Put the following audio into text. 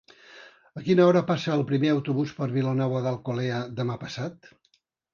A quina hora passa el primer autobús per Vilanova d'Alcolea demà passat?